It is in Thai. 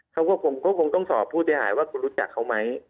เขาก็คงต้องสอบผู้เสียหายว่าคุณรู้จักเขาไหม